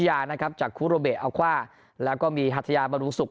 ยานะครับจากคุโรเบะอาก้าแล้วก็มีหัทยาบรูสุก